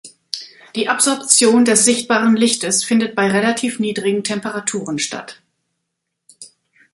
Die Absorption des sichtbaren Lichtes findet bei relativ niedrigen Temperaturen statt.